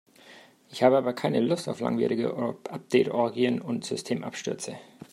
Ich habe aber keine Lust auf langwierige Update-Orgien und Systemabstürze.